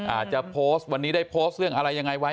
อาจจะโพสต์วันนี้ได้โพสต์เรื่องอะไรยังไงไว้